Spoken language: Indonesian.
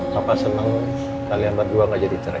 papa senang kalian berdua gak jadi cerai